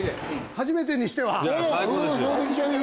初めてにしては。